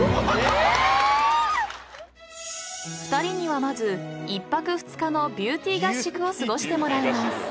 ［２人にはまず１泊２日の美ューティー合宿を過ごしてもらいます］